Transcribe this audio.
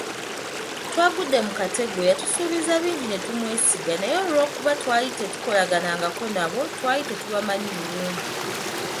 Twagudde mu katego, yatusuubiza bingi ne tumwesiga, naye olw'okuba twali tetukolangako nabo, twali tetubamanyi bulungi.